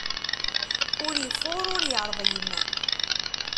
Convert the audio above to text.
Ur ifuṛ, ur iṛdim.